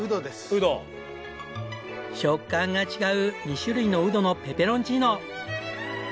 食感が違う２種類のうどのペペロンチーノ。